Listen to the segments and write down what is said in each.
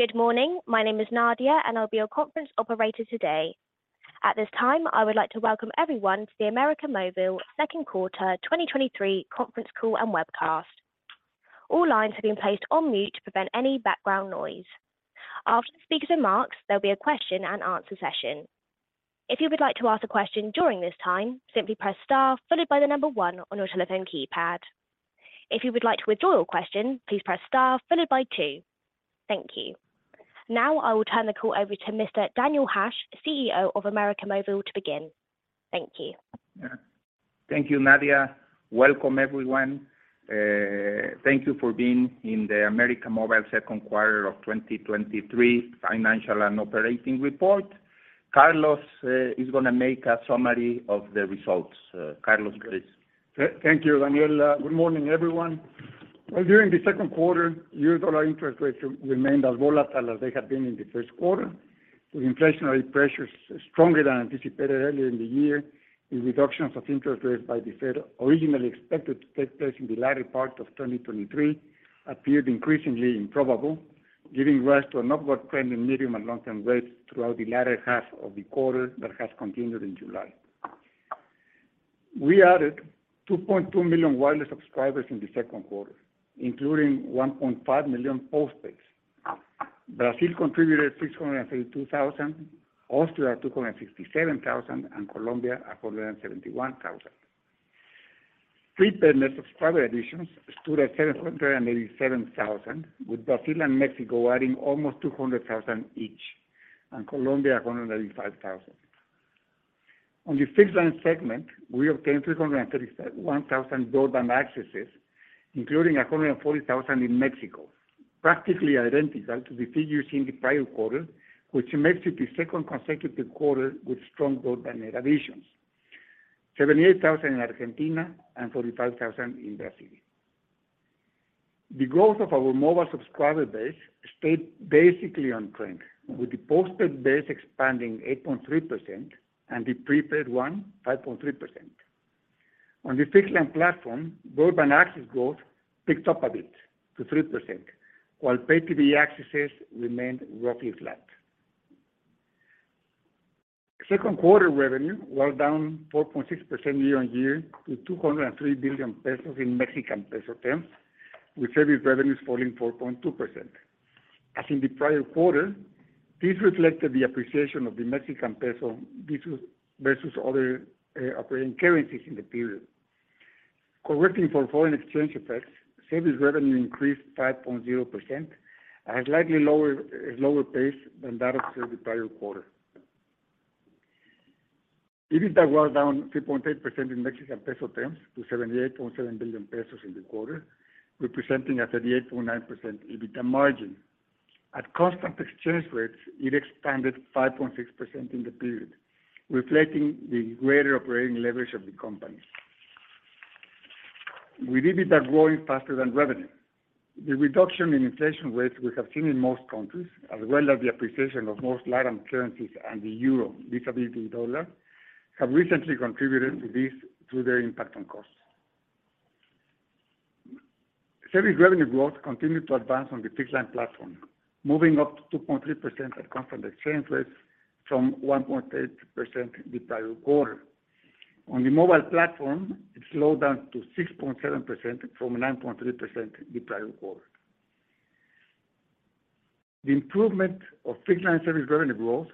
Good morning. My name is Nadia, and I'll be your conference operator today. At this time, I would like to welcome everyone to the América Móvil Second Quarter 2023 conference call and webcast. All lines have been placed on mute to prevent any background noise. After the speaker's remarks, there'll be a question-and-answer session. If you would like to ask a question during this time, simply press Star followed by 1 on your telephone keypad. If you would like to withdraw your question, please press Star followed by 2. Thank you. Now, I will turn the call over to Mr. Daniel Hajj, CEO of América Móvil, to begin. Thank you. Thank you, Nadia. Welcome, everyone. Thank you for being in the América Móvil Second Quarter of 2023 Financial and Operating Report. Carlos, is gonna make a summary of the results. Carlos, please. Thank you, Daniel. Well, during the second quarter, US dollar interest rates remained as volatile as they had been in the first quarter, with inflationary pressures stronger than anticipated earlier in the year. The reductions of interest rates by the Fed, originally expected to take place in the latter part of 2023, appeared increasingly improbable, giving rise to an upward trend in medium- and long-term rates throughout the latter half of the quarter that has continued in July. We added 2.2 million wireless subscribers in the second quarter, including 1.5 million postpaids. Brazil contributed 632,000, Austria, 267,000, and Colombia, 171,000. Prepaid net subscriber additions stood at 787,000, with Brazil and Mexico adding almost 200,000 each, and Colombia, 185,000. On the fixed line segment, we obtained 331,000 broadband accesses, including 140,000 in Mexico, practically identical to the figures in the prior quarter, which makes it the 2nd consecutive quarter with strong broadband net additions. 78,000 in Argentina and 45,000 in Brazil. The growth of our mobile subscriber base stayed basically on trend, with the postpaid base expanding 8.3% and the prepaid one, 5.3%. On the fixed line platform, broadband access growth picked up a bit to 3%, while pay TV accesses remained roughly flat. 2nd quarter revenue was down 4.6% year-over-year to 203 billion pesos in Mexican peso terms, with service revenues falling 4.2%. As in the prior quarter, this reflected the appreciation of the Mexican peso versus other operating currencies in the period. Correcting for foreign exchange effects, service revenue increased 5.0% at a slightly lower pace than that of the prior quarter. EBITDA was down 3.8% in Mexican peso terms to 78.7 billion pesos in the quarter, representing a 38.9% EBITDA margin. At constant exchange rates, it expanded 5.6% in the period, reflecting the greater operating leverage of the company. With EBITDA growing faster than revenue, the reduction in inflation rates we have seen in most countries, as well as the appreciation of most Latin currencies and the euro vis-a-vis the dollar, have recently contributed to this through their impact on costs. Service revenue growth continued to advance on the fixed line platform, moving up to 2.3% at constant exchange rates from 1.8% the prior quarter. On the mobile platform, it slowed down to 6.7% from 9.3% the prior quarter. The improvement of fixed line service revenue growth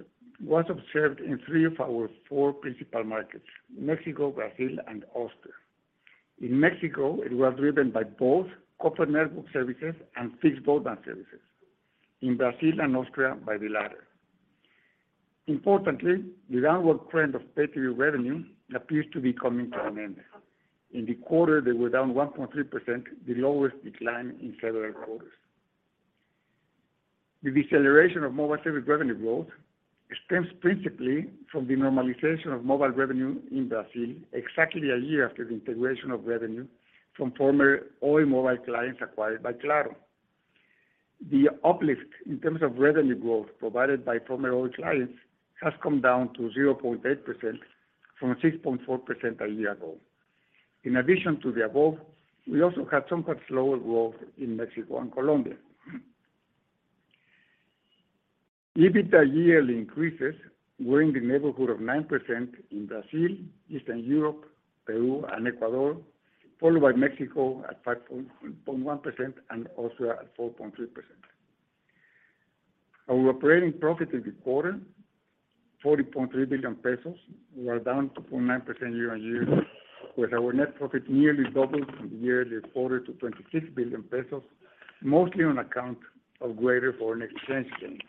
was observed in 3 of our 4 principal markets: Mexico, Brazil, and Austria. In Mexico, it was driven by both corporate network services and fixed broadband services. In Brazil and Austria, by the latter. Importantly, the downward trend of pay TV revenue appears to be coming to an end. In the quarter, they were down 1.3%, the lowest decline in several quarters. The deceleration of mobile service revenue growth stems principally from the normalization of mobile revenue in Brazil, exactly a year after the integration of revenue from former Oi mobile clients acquired by Claro. The uplift in terms of revenue growth provided by former Oi clients has come down to 0.8% from 6.4% a year ago. In addition to the above, we also had somewhat slower growth in Mexico and Colombia. EBITDA yearly increases were in the neighborhood of 9% in Brazil, Eastern Europe, Peru, and Ecuador, followed by Mexico at 5.1% and Austria at 4.3%. Our operating profit in the quarter, 40.3 billion pesos, were down 2.9% year-over-year, with our net profit nearly double from the year before to 26 billion pesos, mostly on account of greater foreign exchange gains.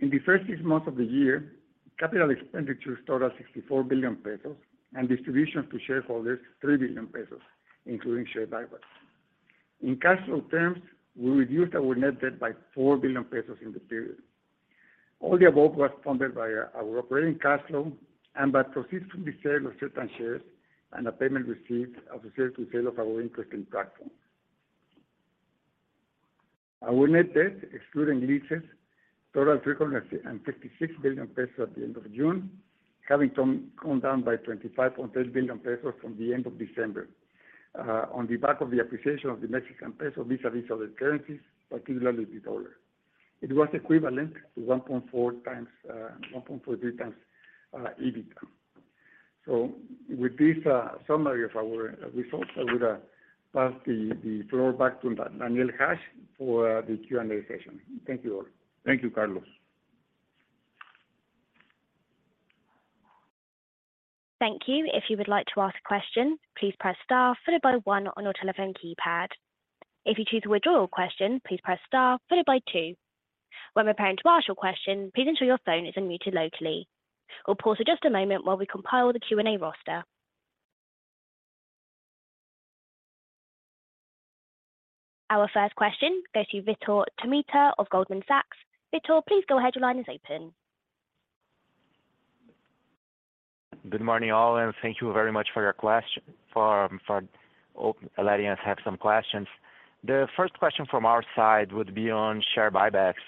In the first 6 months of the year, capital expenditures total 64 billion pesos, and distribution to shareholders, 3 billion pesos, including share buybacks. In cash flow terms, we reduced our net debt by 4 billion pesos in the period. All the above was funded by our operating cash flow and by proceeds from the sale of certain shares and a payment received as a result of sale of our interest in Platform. Our net debt, excluding leases, total 366 billion pesos at the end of June, having come down by 25.3 billion pesos from the end of December, on the back of the appreciation of the Mexican peso vis-a-vis other currencies, particularly the dollar. It was equivalent to 1.43 times EBITDA. With this summary of our results, I would pass the floor back to Daniel Hajj for the Q&A session. Thank you all. Thank you, Carlos. Thank you. If you would like to ask a question, please press star followed by one on your telephone keypad. If you choose to withdraw your question, please press star followed by two. When preparing to ask your question, please ensure your phone is unmuted locally. We'll pause for just a moment while we compile the Q&A roster. Our first question goes to Vitor Tomita of Goldman Sachs. Vitor, please go ahead. Your line is open. Good morning, all, and thank you very much for letting us have some questions. The first question from our side would be on share buybacks.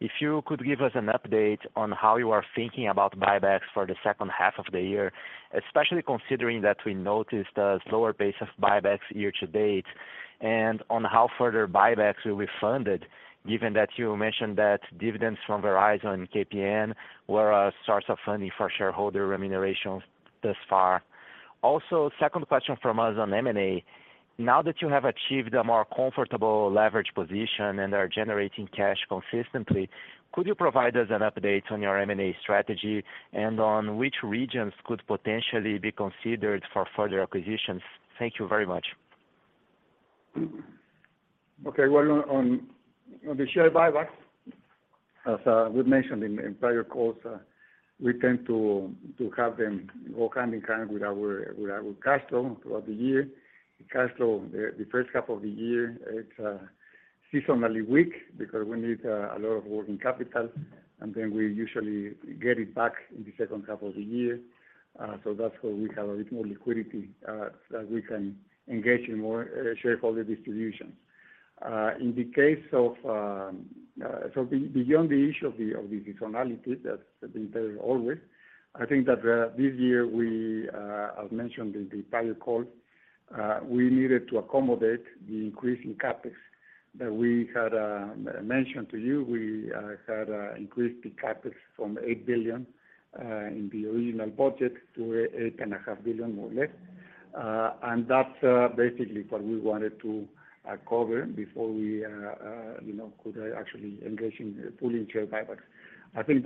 If you could give us an update on how you are thinking about buybacks for the second half of the year, especially considering that we noticed a slower pace of buybacks year to date, and on how further buybacks will be funded, given that you mentioned that dividends from Verizon and KPN were a source of funding for shareholder remunerations thus far. Also, second question from us on M&A. Now that you have achieved a more comfortable leverage position and are generating cash consistently, could you provide us an update on your M&A strategy and on which regions could potentially be considered for further acquisitions? Thank you very much. Well, on the share buyback, as we mentioned in prior calls, we tend to have them walk hand in hand with our cash flow throughout the year. The cash flow, the first half of the year, it's seasonally weak because we need a lot of working capital, and then we usually get it back in the second half of the year. So that's why we have a little more liquidity that we can engage in more shareholder distributions. In the case of, beyond the issue of the seasonality that's been there always, I think that this year, we, as mentioned in the prior call, we needed to accommodate the increase in CapEx that we had mentioned to you. We had increased the CapEx from 8 billion in the original budget to 8.5 billion, more or less. That's basically what we wanted to cover before we, you know, could actually engage fully in share buybacks. I think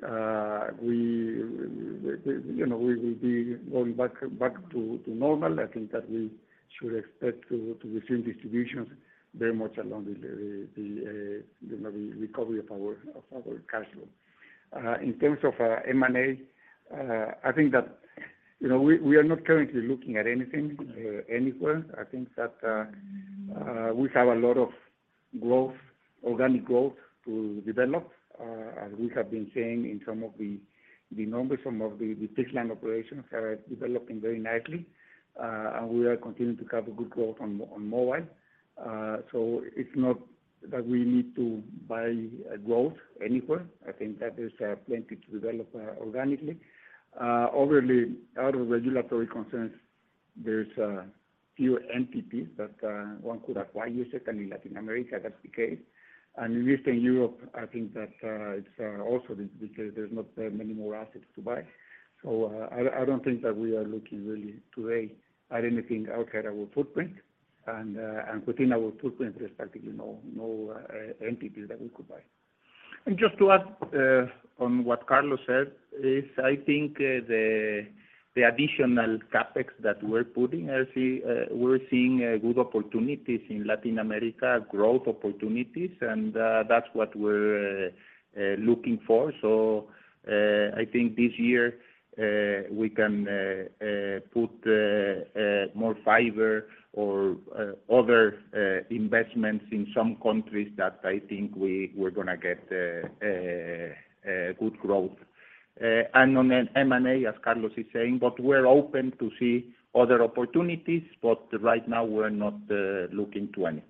that now, we, you know, we will be going back to normal. I think that we should expect to receive distributions very much along the, you know, the recovery of our cash flow. In terms of M&A, I think that, you know, we are not currently looking at anything anywhere. I think that we have a lot of growth, organic growth to develop. Just to add on what Carlos said, is I think the additional CapEx that we're putting, as we're seeing good opportunities in Latin America, growth opportunities, and that's what we're looking for. I think this year, we can put more fiber or other investments in some countries that I think we're gonna get good growth. On M&A, as Carlos is saying, but we're open to see other opportunities, but right now, we're not looking to anything.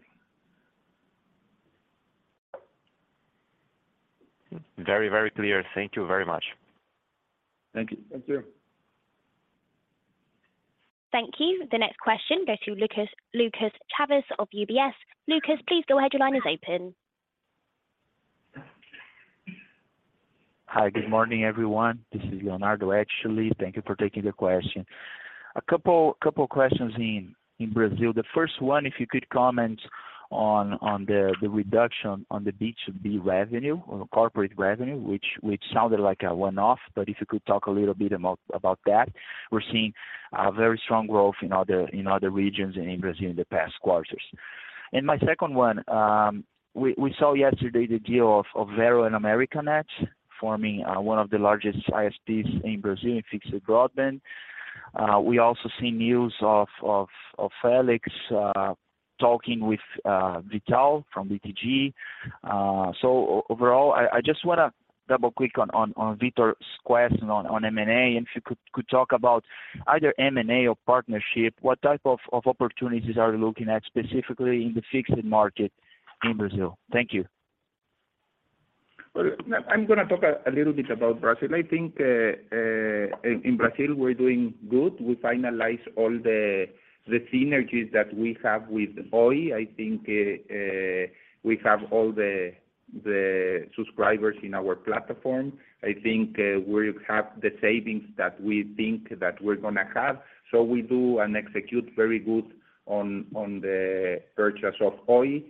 Very, very clear. Thank you very much. Thank you. Thank you. Thank you. The next question goes to Lucas Chaves of UBS. Lucas, please go ahead. Your line is open. Hi, good morning, everyone. This is Leonardo, actually. Thank you for taking the question. A couple of questions in Brazil. The first one, if you could comment on the reduction on the B2B revenue or corporate revenue, which sounded like a one-off, but if you could talk a little bit about that. We're seeing very strong growth in other regions in Brazil in the past quarters. My second one, we saw yesterday the deal of Vero and Americanet forming one of the largest ISPs in Brazil in fixed broadband. We also see news of Felix talking with V.tal from BTG. Overall, I just wanna double-click on Vitor's question on M&A. If you could talk about either M&A or partnership, what type of opportunities are you looking at specifically in the fixed market in Brazil? Thank you. Well, I'm gonna talk a little bit about Brazil. I think, in Brazil, we're doing good. We finalize all the synergies that we have with Oi. I think, we have all the subscribers in our platform. I think, we have the savings that we think that we're gonna have. We do and execute very good on the purchase of Oi.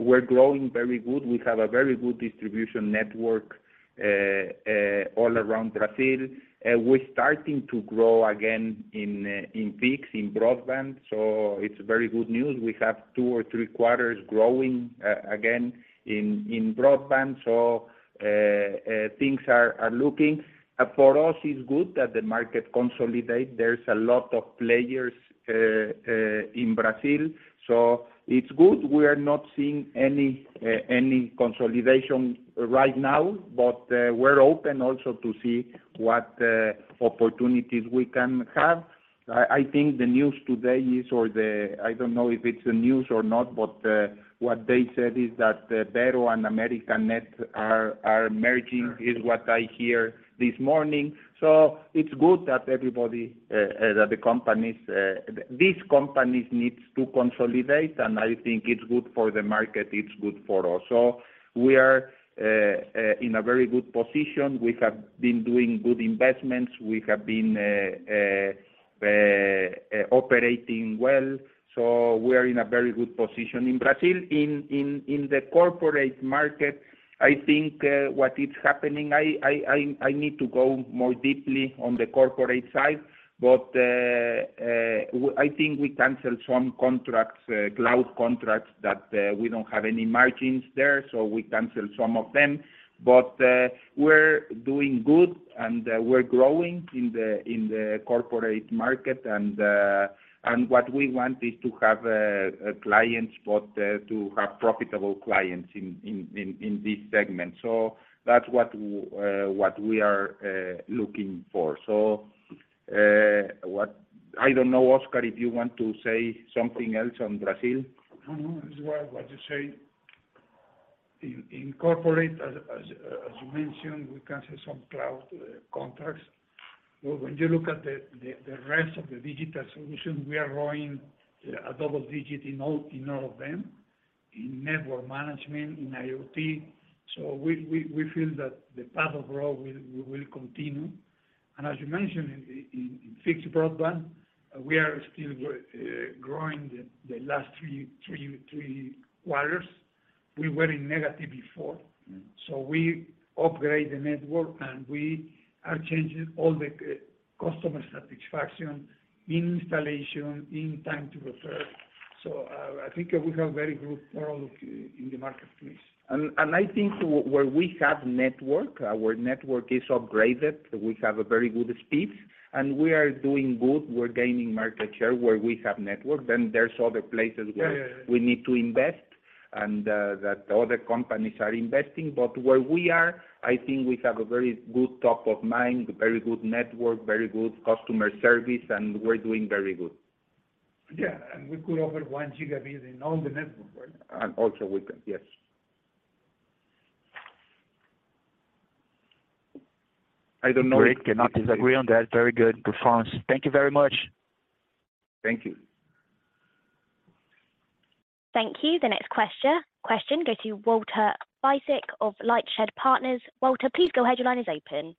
We're growing very good. We have a very good distribution network all around Brazil. We're starting to grow again in peaks, in broadband, so it's very good news. We have 2 or 3 quarters growing again, in broadband. Things are looking... For us, it's good that the market consolidate. There's a lot of players in Brazil, so it's good. We are not seeing any consolidation right now. We're open also to see what opportunities we can have. I think the news today is, I don't know if it's the news or not, what they said is that Vero and Americanet are merging, is what I hear this morning. It's good that everybody, that the companies, these companies needs to consolidate. I think it's good for the market, it's good for us. We are in a very good position. We have been doing good investments. We have been operating well. We're in a very good position in Brazil. In the corporate market, I think what is happening, I need to go more deeply on the corporate side, but I think we canceled some contracts, cloud contracts, that we don't have any margins there. We canceled some of them. We're doing good, and we're growing in the corporate market. What we want is to have a client spot, to have profitable clients in this segment. That's what we are looking for. I don't know, Oscar, if you want to say something else on Brazil? No. As what you say. In corporate, as you mentioned, we canceled some cloud contracts. When you look at the rest of the digital solution, we are growing a double-digit in all of them, in network management, in IoT. We feel that the path of growth will continue. As you mentioned, in fixed broadband, we are still growing the last 3 quarters. We were in negative before. Mm. We upgrade the network, and we are changing all the customer satisfaction in installation, in time to refer. I think we have very good morale in the marketplace. I think where we have network, our network is upgraded. We have a very good speeds. We are doing good. We're gaining market share where we have network. There's other places. Yeah... we need to invest and, that other companies are investing. Where we are, I think we have a very good top of mind, very good network, very good customer service, and we're doing very good. Yeah, and we could offer 1 gigabit in all the network, right? Also with them, yes. I don't know- Great. Cannot disagree on that. Very good performance. Thank you very much. Thank you. Thank you. The next question goes to Walter Piecyk of LightShed Partners. Walter, please go ahead. Your line is open.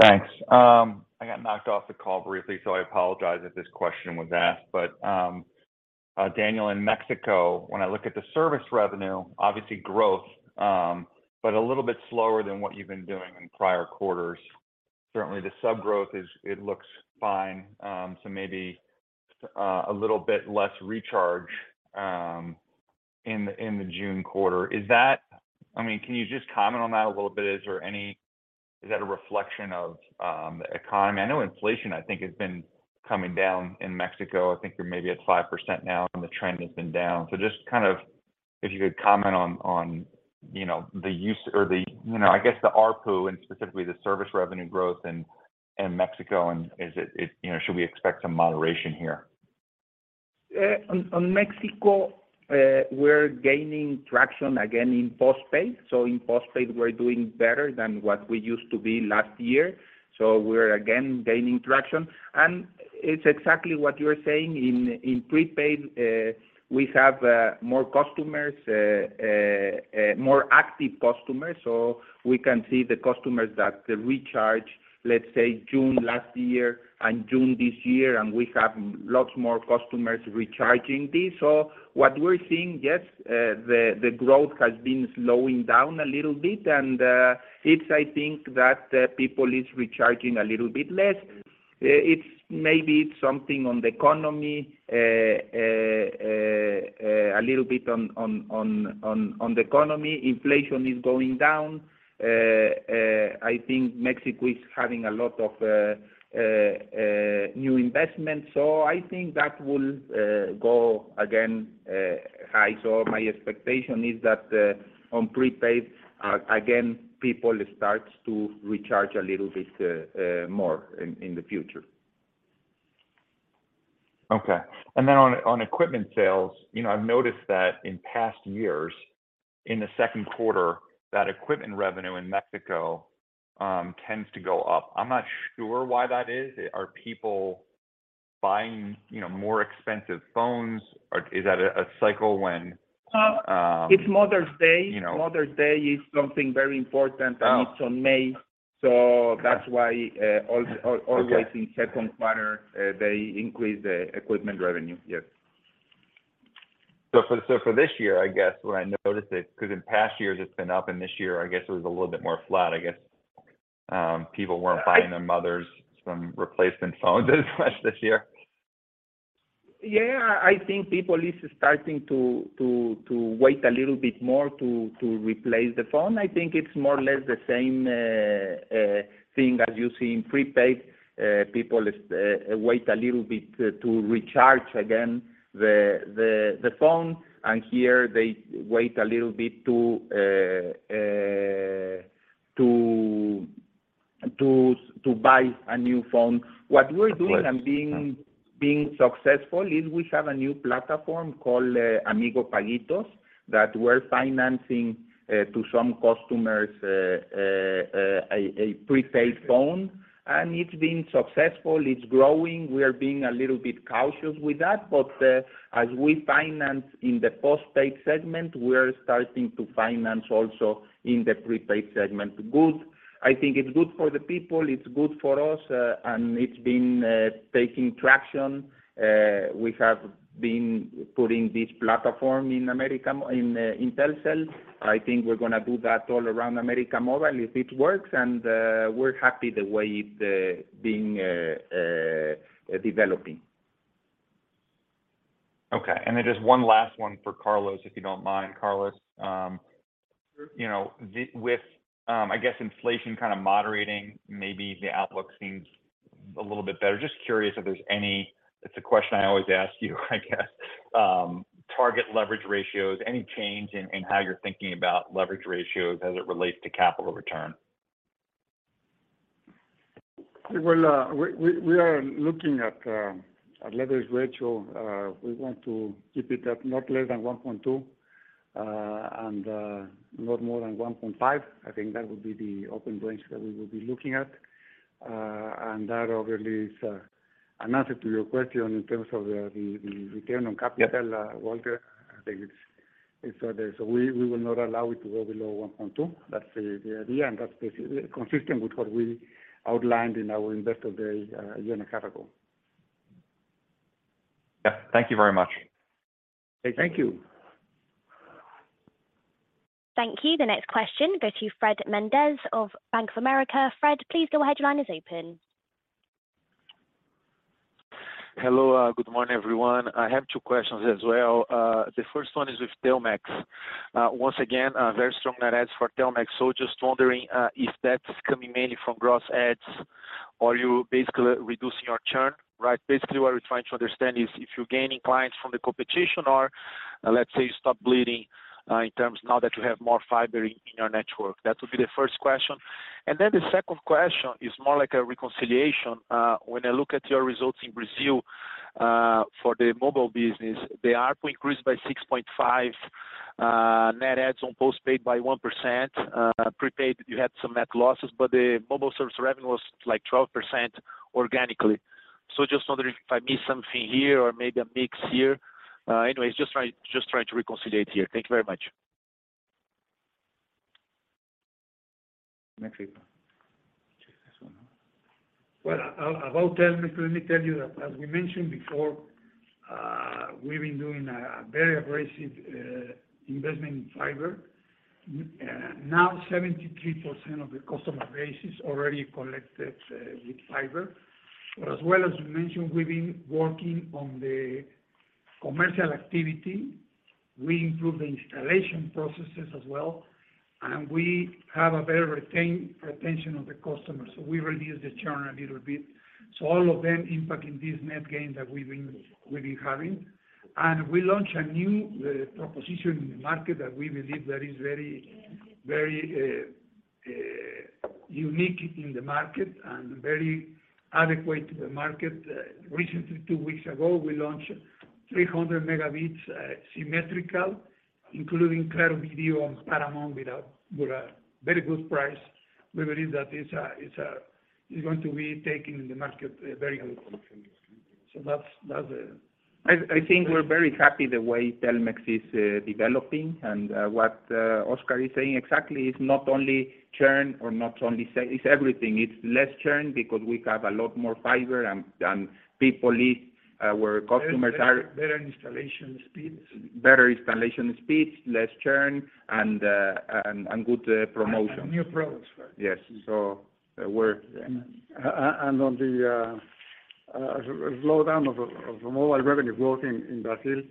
Thanks. I got knocked off the call briefly, so I apologize if this question was asked. Daniel, in Mexico, when I look at the service revenue, obviously growth, but a little bit slower than what you've been doing in prior quarters. Certainly, the sub growth looks fine, so maybe a little bit less recharge in the June quarter. I mean, can you just comment on that a little bit? Is there any is that a reflection of the economy? I know inflation, I think, has been coming down in Mexico. I think you're maybe at 5% now, and the trend has been down. Just kind of, if you could comment on, you know, the use or the, you know, I guess, the ARPU and specifically the service revenue growth in Mexico, and is it... You know, should we expect some moderation here? On Mexico, we're gaining traction again in postpaid. In postpaid, we're doing better than what we used to be last year. We're again gaining traction, and it's exactly what you're saying. In prepaid, we have more customers, more active customers. We can see the customers that recharge, let's say, June last year and June this year, and we have lots more customers recharging this. What we're seeing, yes, the growth has been slowing down a little bit, and it's, I think that, people is recharging a little bit less. It's maybe it's something on the economy, a little bit on the economy. Inflation is going down. I think Mexico is having a lot of new investment, so I think that will go again high. My expectation is that on prepaid, again, people starts to recharge a little bit more in the future. Okay. On equipment sales, you know, I've noticed that in past years, in the second quarter, that equipment revenue in Mexico tends to go up. I'm not sure why that is. Are people buying, you know, more expensive phones, or is that a cycle when? Well, it's Mother's Day. You know. Mother's Day is something very important. Oh. It's on May, so that's why. Okay... always in second quarter, they increase the equipment revenue. Yes. For this year, I guess, what I noticed it, because in past years it's been up, and this year, I guess, it was a little bit more flat. I guess, people weren't buying their mothers some replacement phones as much this year. Yeah, I think people is starting to wait a little bit more to replace the phone. I think it's more or less the same thing as you see in prepaid. People wait a little bit to recharge again the phone, here they wait a little bit to buy a new phone. Right. What we're doing and being successful is we have a new platform called, Amigo Paguitos, that we're financing, to some customers, a prepaid phone, and it's been successful. It's growing. We are being a little bit cautious with that. As we finance in the postpaid segment, we are starting to finance also in the prepaid segment. I think it's good for the people, it's good for us, and it's been taking traction. We have been putting this platform in Telcel. I think we're gonna do that all around América Móvil if it works, and we're happy the way it's being developing. Okay, just one last one for Carlos, if you don't mind. Carlos, Sure. You know, the with, I guess, inflation kind of moderating, maybe the outlook seems a little bit better. Just curious if there's any. It's a question I always ask you, I guess. Target leverage ratios, any change in how you're thinking about leverage ratios as it relates to capital return? Well, we are looking at leverage ratio. We want to keep it at not less than 1.2 and not more than 1.5. I think that would be the open range that we will be looking at. That obviously is an answer to your question in terms of the return on capital- Yep. Walter. I think it's so there. We will not allow it to go below 1.2. That's the idea, and that's consistent with what we outlined in our Investor Day, a year and a half ago. Yeah. Thank you very much. Thank you. Thank you. Thank you. The next question go to Fred Mendes of Bank of America. Fred, please go ahead. Your line is open. Hello. Good morning, everyone. I have 2 questions as well. The first one is with Telmex. Once again, very strong net adds for Telmex. Just wondering if that's coming mainly from gross adds or you basically reducing your churn, right? Basically, what we're trying to understand is if you're gaining clients from the competition or, let's say, you stop bleeding in terms now that you have more fiber in your network. That would be the first question. The second question is more like a reconciliation. When I look at your results in Brazil, for the mobile business, the ARPU increased by 6.5%, net adds on postpaid by 1%. Prepaid, you had some net losses, the mobile service revenue was 12% organically. Just wondering if I missed something here or maybe a mix here. Anyways, just trying to reconcile here. Thank you very much. Well, about Telmex, let me tell you that as we mentioned before, we've been doing a very aggressive investment in fiber. Now 73% of the customer base is already connected with fiber. As well as we mentioned, we've been working on the commercial activity. We improved the installation processes as well, and we have a better retention of the customers, so we reduced the churn a little bit. All of them impacting this net gain that we've been having. We launched a new proposition in the market that we believe that is very, very unique in the market and very adequate to the market. Recently, 2 weeks ago, we launched 300 megabits symmetrical, including Claro Video and Paramount+ with a very good price. We believe that it's going to be taking the market very good. That's I think we're very happy the way Telmex is developing, and what Oscar is saying exactly, it's not only churn or not only it's everything. It's less churn because we have a lot more fiber and people leave where customers are. Better installation speeds. Better installation speeds, less churn, and good promotion. New products. Yes. On the slowdown of mobile revenue growth in Brazil,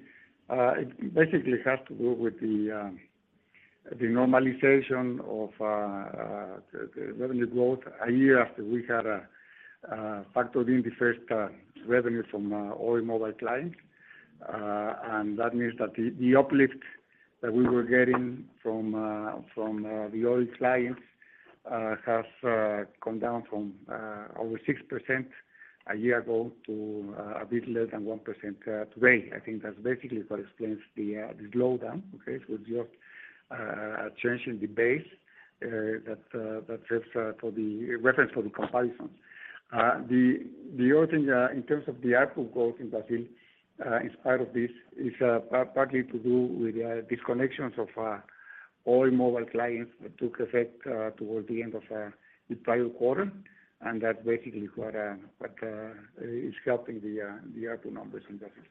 it basically has to do with the normalization of the revenue growth a year after we had factored in the first revenue from Oi mobile clients. And that means that the uplift that we were getting from the old clients has come down from over 6% a year ago to a bit less than 1% today. I think that's basically what explains the slowdown. Okay? It's just a change in the base that serves for the reference for the comparisons. The other thing in terms of the ARPU growth in Brazil, in spite of this, is partly to do with the disconnections of all mobile clients that took effect towards the end of the prior quarter. That basically is what is helping the ARPU numbers in Brazil.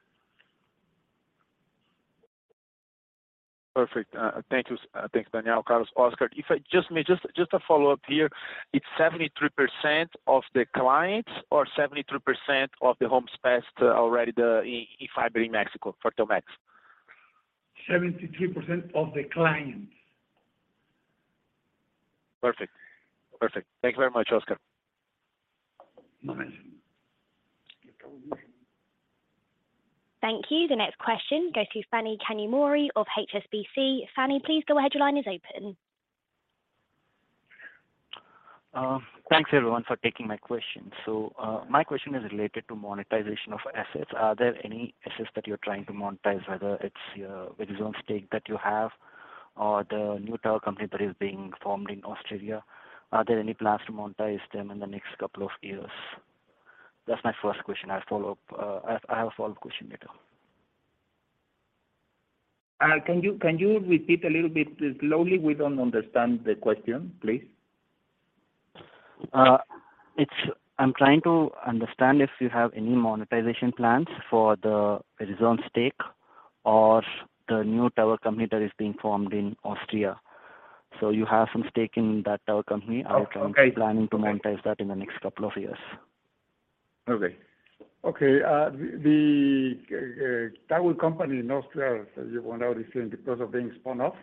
Perfect. thank you. thanks, Daniel, Carlos. Oscar, if I just may, a follow-up here. It's 73% of the clients or 73% of the homes passed already the fiber in Mexico for Telmex? 73% of the clients. Perfect. Thank you very much, Oscar. No problem. Thank you. The next question goes to Phani Kanumuri of HSBC. Phani, please go ahead. Your line is open. Thanks, everyone, for taking my question. My question is related to monetization of assets. Are there any assets that you're trying to monetize, whether it's your Verizon stake that you have or the new tower company that is being formed in Austria? Are there any plans to monetize them in the next couple of years? That's my first question. I'll follow up. I have a follow-up question later. Can you repeat a little bit slowly? We don't understand the question, please. I'm trying to understand if you have any monetization plans for the Verizon stake or the new tower company that is being formed in Austria. You have some stake in that tower company. Okay. Are you planning to monetize that in the next couple of years? Okay. Okay, the tower company in Austria, as you well know, is in the process of being spun off.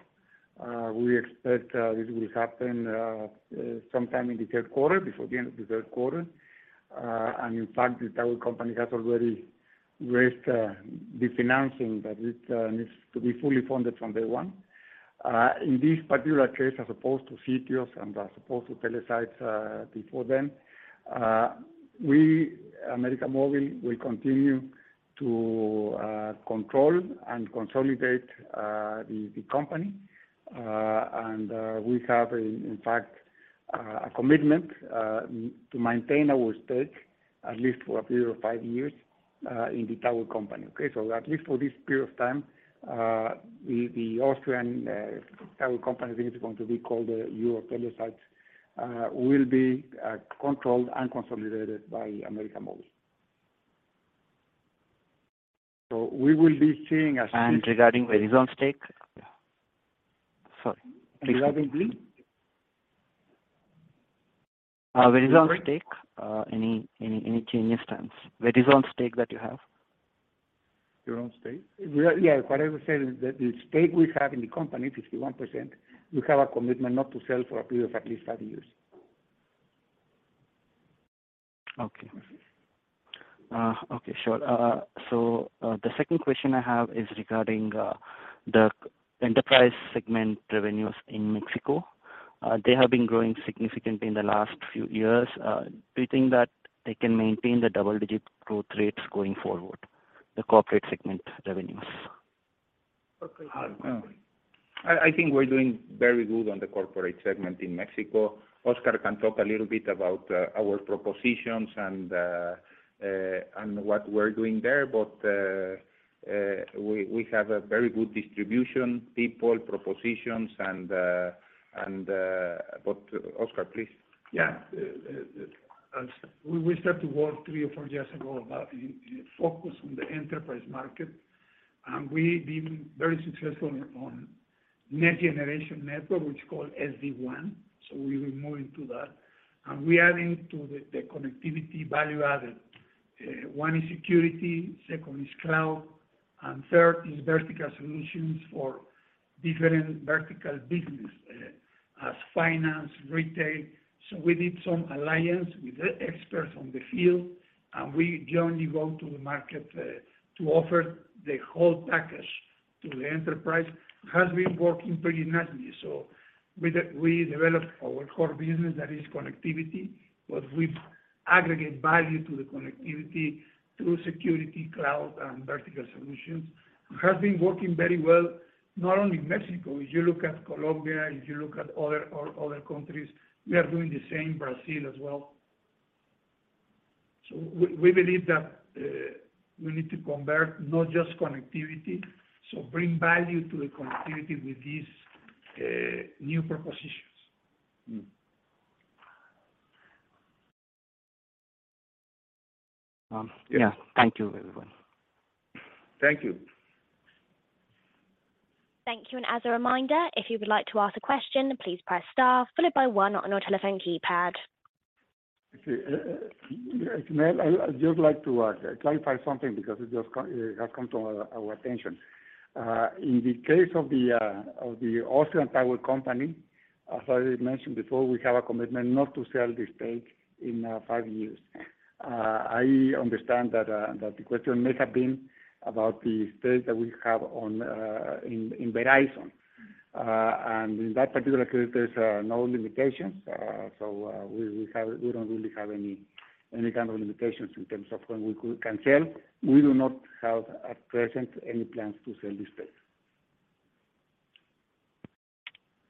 We expect this will happen sometime in the third quarter, before the end of the third quarter. In fact, the tower company has already raised the financing that it needs to be fully funded from day one. In this particular case, as opposed to Sitios and as opposed to Telesites, before then, we, América Móvil, will continue to control and consolidate the company. We have in fact a commitment to maintain our stake at least for a period of five years in the tower company, okay? At least for this period of time, the Austrian tower company, I think it's going to be called EuroTeleSites, will be controlled and consolidated by América Móvil. We will be seeing a slight- Regarding Verizon stake? Yeah. Sorry. Regarding please? Verizon stake. Sorry. Any change in stance, Verizon stake that you have? Verizon stake? Yeah, what I would say is that the stake we have in the company, 51%, we have a commitment not to sell for a period of at least 5 years. Okay. Okay, sure. The second question I have is regarding the enterprise segment revenues in Mexico. They have been growing significantly in the last few years. Do you think that they can maintain the double-digit growth rates going forward, the corporate segment revenues? Okay. I think we're doing very good on the corporate segment in Mexico. Oscar can talk a little bit about our propositions and what we're doing there, but we have a very good distribution, people, propositions. Oscar, please. Yeah. We start to work 3 or 4 years ago about focus on the enterprise market, and we've been very successful on next generation network, which is called SD-WAN. We will move into that. We adding to the connectivity value added. One is security, second is cloud, and third is vertical solutions for different vertical business, as finance, retail. We did some alliance with the experts on the field, and we jointly go to the market to offer the whole package to the enterprise. It has been working pretty nicely. We developed our core business, that is connectivity, but with aggregate value to the connectivity through security, cloud, and vertical solutions. It has been working very well, not only in Mexico, if you look at Colombia, if you look at other, or other countries, we are doing the same, Brazil as well. We believe that we need to convert not just connectivity, so bring value to the connectivity with these new propositions. Hmm. Thank you, everyone. Thank you. Thank you. As a reminder, if you would like to ask a question, please press star followed by one on your telephone keypad. I'd just like to clarify something because it has come to our attention. In the case of the Austrian tower company, as I mentioned before, we have a commitment not to sell this stake in 5 years. I understand that the question may have been about the stake that we have in Verizon. In that particular case, there's no limitations. We don't really have any kind of limitations in terms of when we could can sell. We do not have, at present, any plans to sell this stake.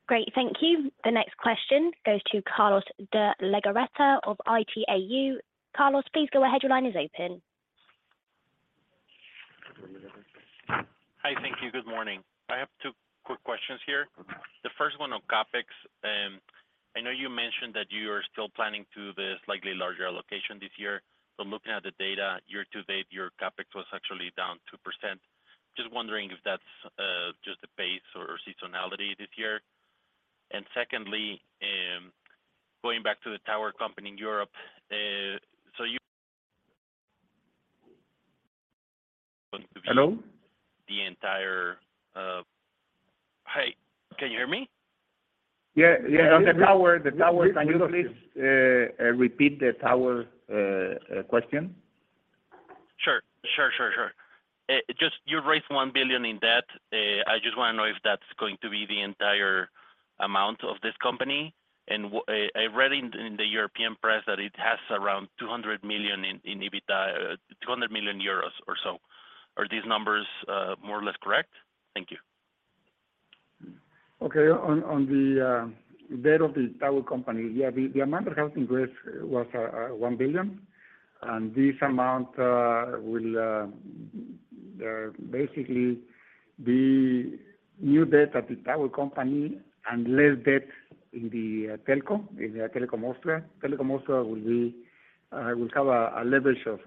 Great, thank you. The next question goes to Carlos de Legarreta of Itaú. Carlos, please go ahead. Your line is open. Hi. Thank you. Good morning. I have two quick questions here. The first one on CapEx. I know you mentioned that you are still planning to do the slightly larger allocation this year, but looking at the data year to date, your CapEx was actually down 2%. Just wondering if that's just the pace or seasonality this year? Secondly, going back to the tower company in Europe, so you- Hello? Hi, can you hear me? Yeah. On the tower, can you please repeat the tower question? Sure. Sure, sure. Just you raised 1 billion in debt. I just wanna know if that's going to be the entire amount of this company, and I read in the European press that it has around 200 million in EBITDA, 200 million euros or so. Are these numbers more or less correct? Thank you. Okay. On the debt of the tower company, yeah, the amount we have increased was 1 billion, and this amount will basically be new debt at the tower company and less debt in the telco, in the Telekom Austria. Telekom Austria will have a leverage of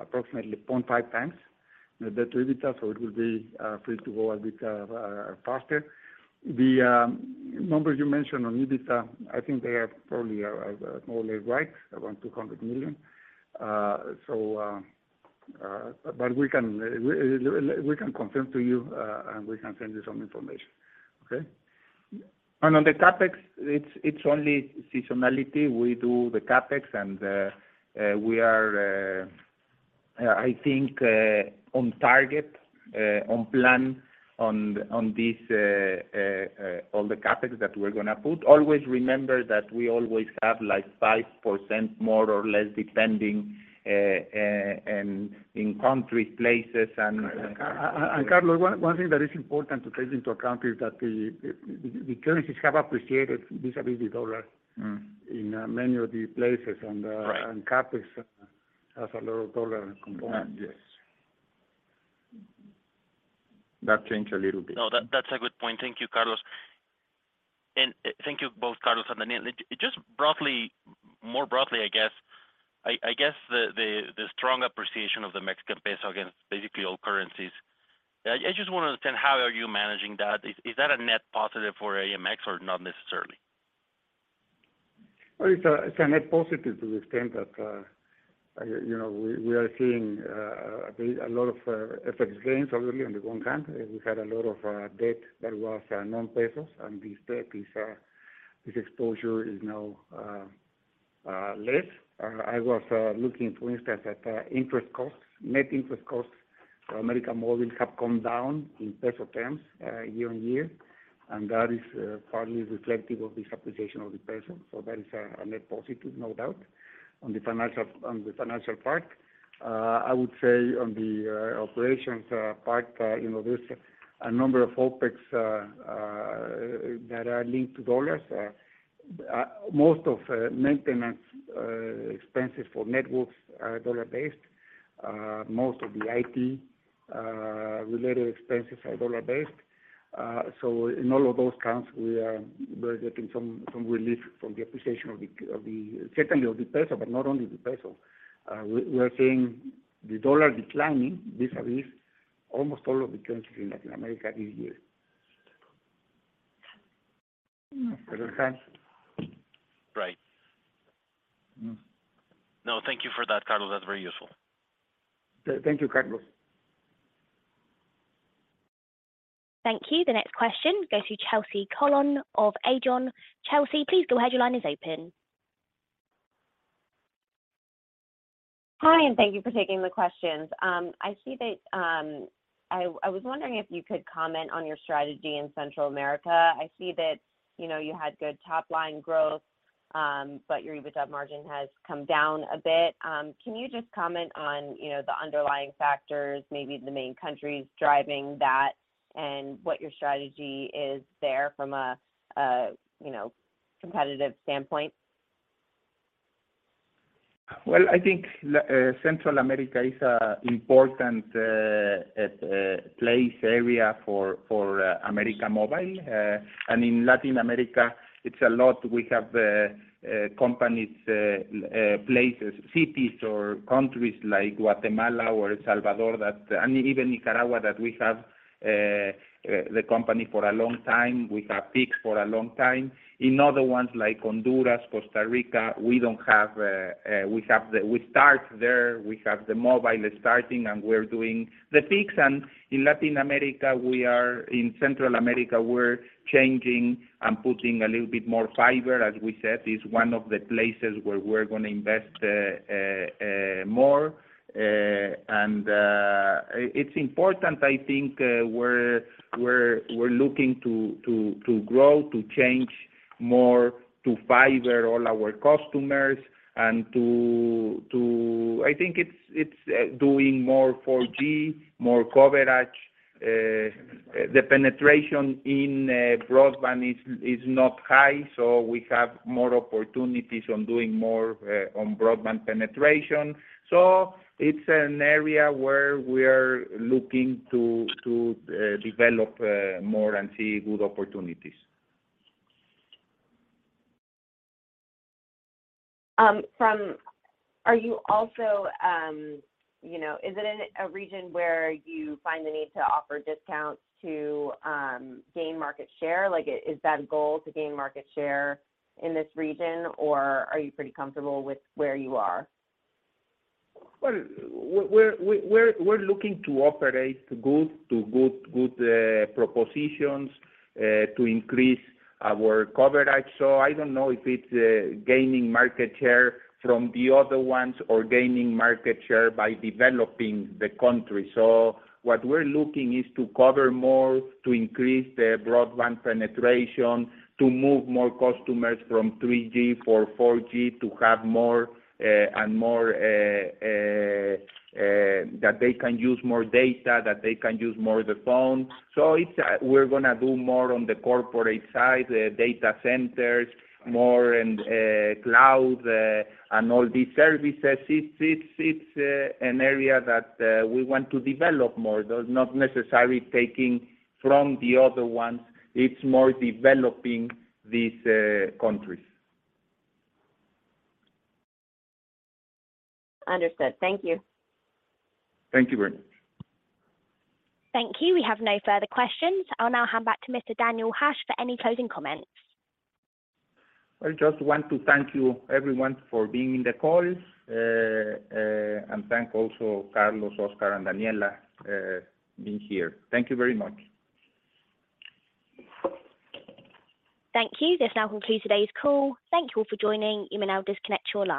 approximately 0.5 times net debt to EBITDA, so it will be free to go a bit faster. The number you mentioned on EBITDA, I think they are probably more or less right, around EUR 200 million. But we can confirm to you and we can send you some information. Okay? On the CapEx, it's only seasonality. We do the CapEx and we are, I think, on target, on plan on this, on the CapEx that we're gonna put. Always remember that we always have, like, 5% more or less, depending, in country, places. Carlos, one thing that is important to take into account is that the currencies have appreciated vis-a-vis the US dollar. Mm. in, many of the places, and- Right CapEx has a lower dollar component. Yes. That changed a little bit. No, that's a good point. Thank you, Carlos. Thank you both, Carlos and Daniel. Just broadly, more broadly, I guess, I guess the strong appreciation of the Mexican peso against basically all currencies, I just wanna understand, how are you managing that? Is that a net positive for AMX or not necessarily? Well, it's a net positive to the extent that, you know, we are seeing a lot of FX gains already on the one hand. We had a lot of debt that was non-pesos, and this debt is this exposure is now less. I was looking, for instance, at interest costs. Net interest costs for América Móvil have come down in peso terms year on year, and that is partly reflective of the appreciation of the peso. That is a net positive, no doubt, on the financial part. I would say on the operations part, you know, there's a number of OpEx that are linked to dollars. Most of maintenance expenses for networks are dollar-based, most of the IT related expenses are dollar-based. In all of those counts, we're getting some relief from the appreciation of the secondly of the peso, but not only the peso. We are seeing the dollar declining vis-a-vis almost all of the countries in Latin America this year. Right. Right. Mm. No, thank you for that, Carlos. That's very useful. Thank you, Carlos. Thank you. The next question goes to Chelsea Colon of Aegon. Chelsea, please go ahead. Your line is open. Hi, thank you for taking the questions. I see that. I was wondering if you could comment on your strategy in Central America. I see that, you know, you had good top-line growth, your EBITDA margin has come down a bit. Can you just comment on, you know, the underlying factors, maybe the main countries driving that, and what your strategy is there from a, you know, competitive standpoint? Well, I think Central America is an important place, area for América Móvil. In Latin America, it's a lot. We have companies, places, cities, or countries like Guatemala or El Salvador, that, and even Nicaragua, that we have the company for a long time. We have peaks for a long time. In other ones, like Honduras, Costa Rica, we don't have, we start there. We have the mobile starting, and we're doing the peaks. In Latin America, in Central America, we're changing and putting a little bit more fiber. As we said, it's one of the places where we're gonna invest more. It's important, I think, we're looking to grow, to change more, to fiber all our customers, and to. I think it's doing more for 4G, more coverage. The penetration in broadband is not high, so we have more opportunities on doing more on broadband penetration. It's an area where we're looking to develop more and see good opportunities. Are you also, you know, is it in a region where you find the need to offer discounts to gain market share? Like, is that a goal to gain market share in this region, or are you pretty comfortable with where you are? We're looking to operate to good propositions, to increase our coverage. I don't know if it's gaining market share from the other ones, or gaining market share by developing the country. What we're looking is to cover more, to increase the broadband penetration, to move more customers from 3G, for 4G, to have more and more that they can use more data, that they can use more the phone. It's we're gonna do more on the corporate side, the data centers, more, and cloud and all these services. It's an area that we want to develop more, though not necessarily taking from the other ones. It's more developing these countries. Understood. Thank you. Thank you very much. Thank you. We have no further questions. I'll now hand back to Mr. Daniel Hajj for any closing comments. I just want to thank you, everyone, for being in the call. Thank also Carlos, Oscar, and Daniela, being here. Thank you very much. Thank you. This now concludes today's call. Thank you all for joining. You may now disconnect your lines.